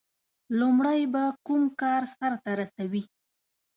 • لومړی به کوم کار سر ته رسوي؟